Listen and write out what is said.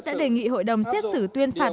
đã đề nghị hội đồng xét xử tuyên phạt